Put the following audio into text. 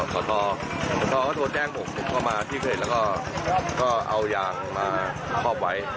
ขอโทษแล้วก็โทรแจ้งผมผมเข้ามาที่เกิดแล้วก็เอายางมาครอบไว้